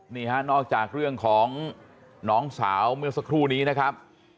นี่ฮะนอกจากเรื่องของน้องสาวเมื่อสักครู่นี้นะครับ